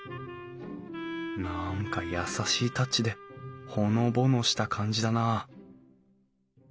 何か優しいタッチでほのぼのした感じだなあ